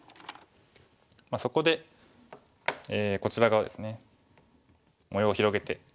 そこでこちら側ですね模様を広げていきます。